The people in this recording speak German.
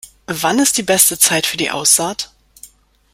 Wann ist die beste Zeit für die Aussaht?